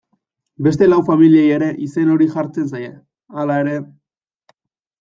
Beste lau familiei ere izen hori jartzen zaie, hala ere.